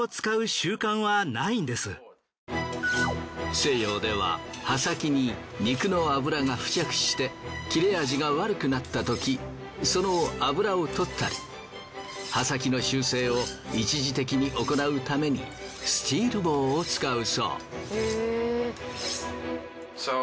西洋では刃先に肉の脂が付着して切れ味が悪くなったときその脂を取ったり刃先の修正を一時的に行うためにスチール棒を使うそう。